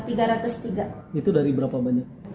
itu dari berapa banyak